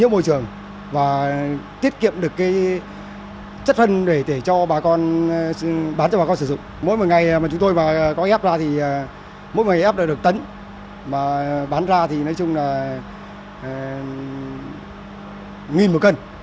mỗi ngày ép đã được tấn mà bán ra thì nói chung là một một cân